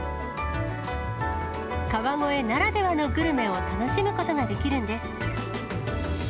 川越ならではのグルメを楽しむことができるんです。